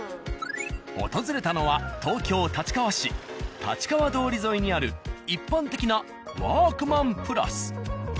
訪れたのは東京・立川市立川通り沿いにある一般的な「ワークマンプラス」。